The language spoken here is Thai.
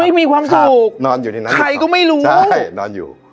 มีความสุขนอนอยู่ในนั้นใครก็ไม่รู้ใช่นอนอยู่